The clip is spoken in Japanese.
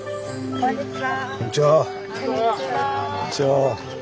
こんにちは。